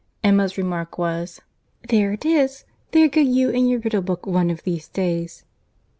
—Emma's remark was— "There it is. There go you and your riddle book one of these days."